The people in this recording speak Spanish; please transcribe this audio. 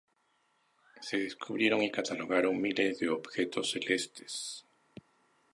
Se descubrieron y catalogaron miles de objetos celestes.